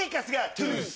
トゥース！